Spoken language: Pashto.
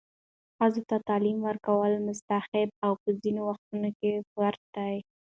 ښځو ته تعلیم ورکول مستحب او په ځینو وختونو کې فرض دی.